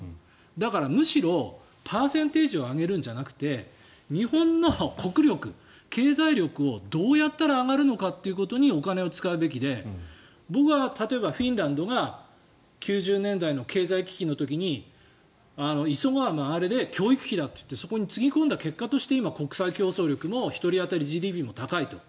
だからむしろ、パーセンテージを上げるんじゃなくて日本の国力、経済力がどうやったら上がるのかということにお金を使うべきで僕は、例えばフィンランドが９０年代の経済危機の時に急がば回れで教育費だって言ってそこにつぎ込んだ結果として今、国際競争力も１人当たりＧＤＰも高いと。